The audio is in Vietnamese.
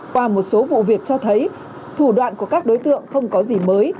qua một số vụ việc cho thấy thủ đoạn của các đối tượng không có gì mới